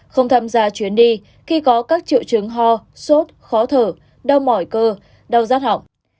không tham gia chuyến đi khi có các triệu chứng ho sốt khó thở đau mỏi cơ đau rát hỏng